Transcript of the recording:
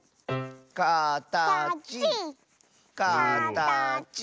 「かたちかたち」